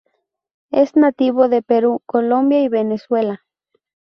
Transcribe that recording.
Es nativo de Perú, Colombia y Venezuela.